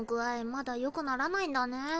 まだ良くならないんだね。